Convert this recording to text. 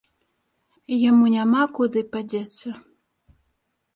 Яму няма куды падзецца.